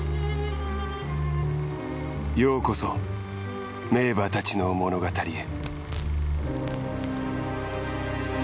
ようこそ名馬たちの物語へ。